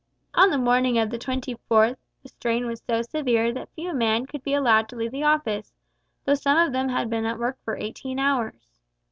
On the morning of the 24th the strain was so severe that few men could be allowed to leave the Office, though some of them had been at work for eighteen hours.